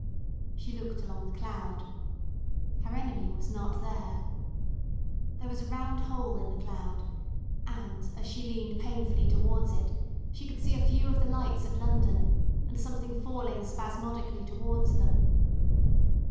She looked along the cloud. Her enemy was not there. There was a round hole in the cloud, and as she leaned painfully towards it, she could see a few of the lights of London, and something falling spasmodically towards them.